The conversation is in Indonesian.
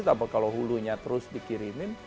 tapi kalau hulunya terus dikirimin